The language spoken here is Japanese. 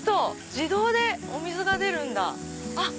自動でお水が出るんだ。